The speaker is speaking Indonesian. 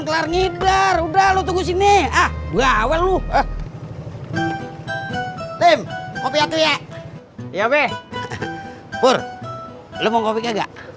kelar ngidar udah lu tunggu sini ah gua awal lu tim kopi aku ya iya be pur lu mau kopi nggak